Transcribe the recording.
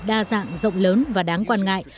đa dạng rộng lớn và đáng quan ngại